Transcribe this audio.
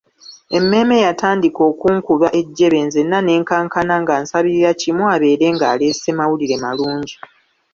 Emmeeme yatandika okunkuba ejjebe nzenna ne nkankana nga nsabirira kimu abeere ng'aleese mawulire malungi.